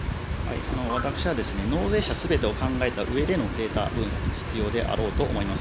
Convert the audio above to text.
私は納税者すべてを考えたうえでのデータ分析、必要であろうと思います。